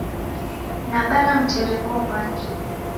Nabara mterengo ghwake.